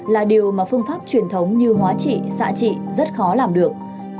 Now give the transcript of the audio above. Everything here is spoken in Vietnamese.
là điều mà phương pháp truyền thống như hóa trị xạ trị rất khó làm được